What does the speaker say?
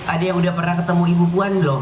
ada yang udah pernah ketemu ibu puan belum